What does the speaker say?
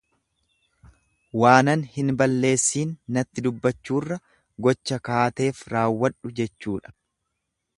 Waanan hin balleessiin natti dubbachuurra gocha kaateef raawwadhu jechuudha.